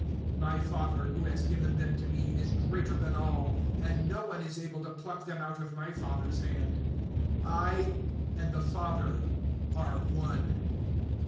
(29)My Father, who has given them to me, is greater than all; and no one is able to pluck them out of my Father's hand. (30)I and the Father are one.